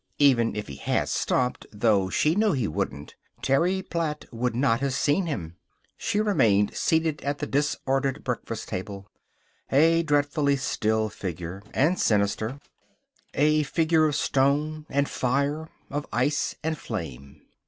Even if he had stopped though she knew he wouldn't Terry Platt would not have seen him. She remained seated at the disordered breakfast table, a dreadfully still figure, and sinister; a figure of stone and fire, of ice and flame.